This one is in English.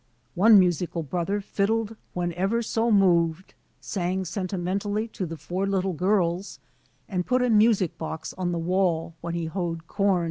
One musical brother fiddled whenever so moved, sang sentimentally to the four little girls, and put a music box on (^the wall when he hoed com.